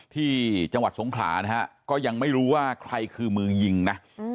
ที่จังหวัดสงขลานะฮะก็ยังไม่รู้ว่าใครคือมือยิงนะ